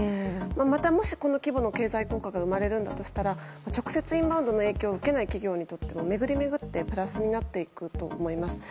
またもしこの規模の経済効果が生まれるとしたら直接、インバウンドの影響を受けない企業にとっても巡り巡ってプラスになっていくと思います。